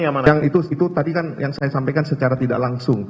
yang itu tadi kan yang saya sampaikan secara tidak langsung